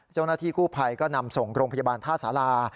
เจ้าหน้าที่กู้ภัยก็นำส่งโรงพยาบาลท่าสารา